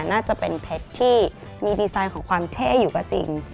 น่าจะเป็นเพชรที่มีดีไซน์ของความเท่อยู่ก็จริง